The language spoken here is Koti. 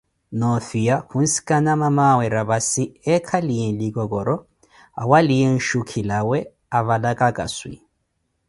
Nó fiya khunssikana mamawe rapassi ekaliye nlikokoroh, awaliye nshuki lawee avalakaka swi